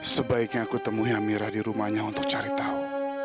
sebaiknya aku temui hamira di rumahnya untuk cari tahu